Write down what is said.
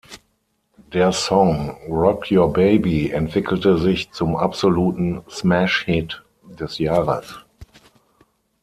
Der Song "Rock Your Baby" entwickelte sich zum absoluten Smash-Hit des Jahres.